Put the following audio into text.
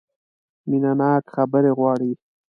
مینه ناکه خبرې غواړي .